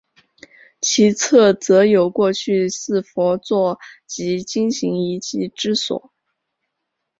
其侧则有过去四佛坐及经行遗迹之所。